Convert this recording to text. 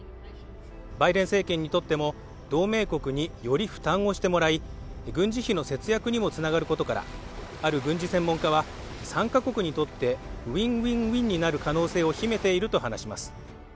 バイデン政権にとっても同盟国により負担をしてもらい軍事費の節約にもつながることからある軍事専門家は３か国にとってウィンウィンウィンになる可能性を秘めていると話します